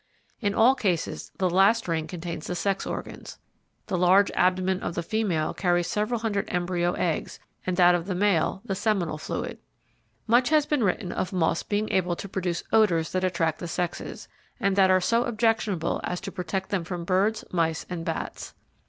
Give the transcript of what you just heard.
In all cases the last ring contains the sex organs. The large abdomen of the female carries several hundred embryo eggs, and that of the male the seminal fluid. Much has been written of moths being able to produce odours that attract the sexes, and that are so objectionable as to protect them from birds, mice, and bats.